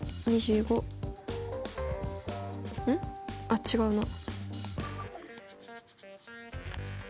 あっ違うな。